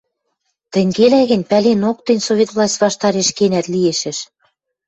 Тӹнгелӓ гӹнь, пӓленок, тӹнь Совет власть ваштареш кенӓт лиэшӹш?